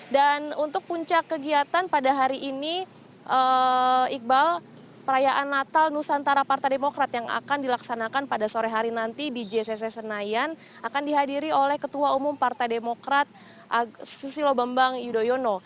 dan untuk puncak kegiatan pada hari ini iqbal perayaan natal nusantara partai demokrat yang akan dilaksanakan pada sore hari nanti di jcc senayan akan dihadiri oleh ketua umum partai demokrat susilo bembang yudhoyono